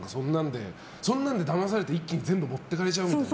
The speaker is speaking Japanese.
そんなんで、だまされて一気に全部持ってかれちゃうとか。